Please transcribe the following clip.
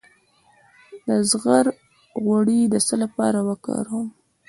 د زغر غوړي د څه لپاره وکاروم؟